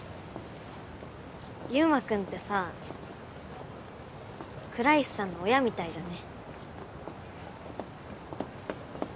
悠真君ってさ倉石さんの親みたいだね。